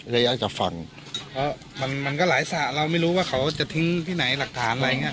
ระยะจากฝั่งมันมันก็หลายสระเราไม่รู้ว่าเขาจะทิ้งที่ไหนหลักฐานอะไรอย่างนี้